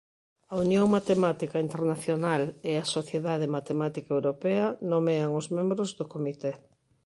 A Unión Matemática Internacional e a Sociedade Matemática Europea nomean os membros do comité.